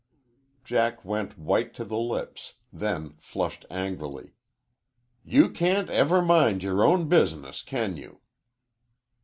Jack went white to the lips, then flushed angrily. "You can't ever mind your own business, can you?"